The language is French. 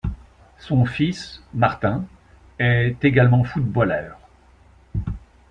Son fils, Martin, est également footballeur.